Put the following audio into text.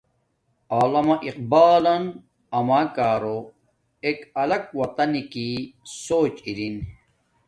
علامہ اقبالن اما کارو ایک الگ وطنک کی سوچ ارین